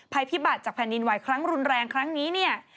ภัยพิบัตรจากแผ่นดินไหวครั้งรุนแรงครั้งนี้เนี่ย